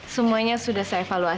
semuanya sudah saya fahamkan